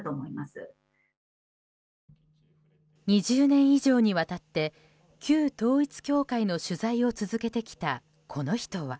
２０年以上にわたって旧統一教会の取材を続けてきたこの人は。